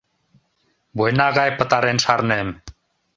Война гай пытарен шарнем.